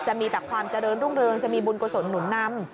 จะมีแต่ความเจริญรุ่งเรืองจะมีบุญกุศลหนุนนำ